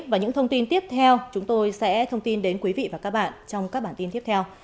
và những thông tin tiếp theo chúng tôi sẽ thông tin đến quý vị và các bạn trong các bản tin tiếp theo